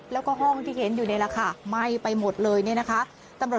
แล้วก็ห้องที่เห็นอยู่นี่ละค่ะ